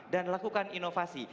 dan lakukan inovasi